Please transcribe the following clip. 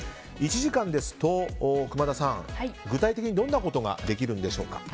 １時間ですと熊田さん、具体的にどんなことができますか。